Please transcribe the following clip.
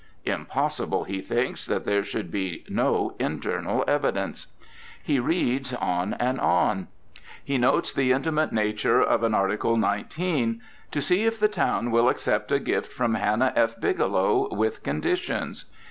Impossible, he thinks, that there should be no internal evidence. He reads on and on. He notes the intimate nature of an Article 19: "To see if the town will accept a gift from Hannah E. Bigelow, with conditions."